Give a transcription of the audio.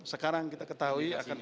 sekarang kita ketahui akan